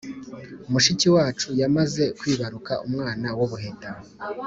Mushiki wacu yamaze kwibaruka umwana w’ubuheta